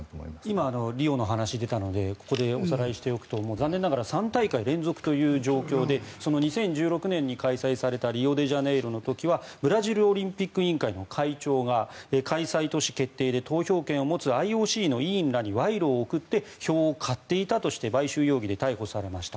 今、リオの話が出たのでここでおさらいしておくと残念ながら３大会連続という状況で２０１６年に開催されたリオデジャネイロの時はブラジルオリンピック委員会の会長が開催都市決定で投票権を持つＩＯＣの委員らに賄賂を贈って票を買っていたとして買収容疑で逮捕されました。